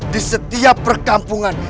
di setiap perkampungan